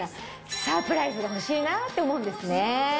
サプライズが欲しいなって思うんですね。